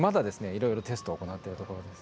いろいろテストを行ってるところです。